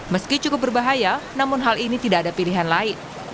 meski cukup berbahaya namun hal ini tidak ada pilihan lain